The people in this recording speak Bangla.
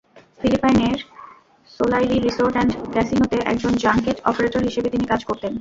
ফিলিপাইনের সোলাইরি রিসোর্ট অ্যান্ড ক্যাসিনোতে একজন জাংকেট অপারেটর হিসেবে তিনি কাজ করতেন।